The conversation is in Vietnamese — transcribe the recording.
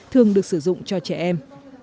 thường được sử dụng cho trẻ em